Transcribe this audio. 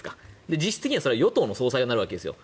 実質的には与党の総裁がなるわけですよ。